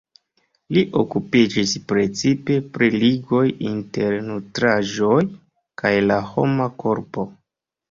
Li okupiĝis precipe pri ligoj inter nutraĵoj kaj la homa korpo.